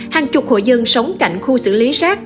hàng chục hội dân sống cạnh khu xử lý rác